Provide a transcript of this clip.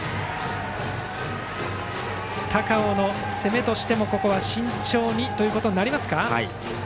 高尾の攻めとしてもここは慎重にとなりますか。